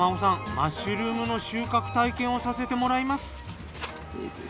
マッシュルームの収穫体験をさせてもらいます。